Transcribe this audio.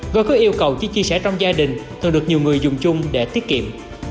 gói cứ yêu cầu chia sẻ trong gia đình thường được nhiều người dùng chung để tiết kiệm